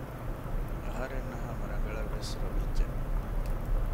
އަހަރެންނަށް ހަމަ ރަގަޅަށްވެސް ރޮވިއްޖެ